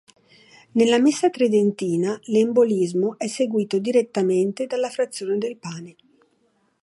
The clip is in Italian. Nella Messa tridentina l'embolismo è seguito direttamente dalla frazione del pane.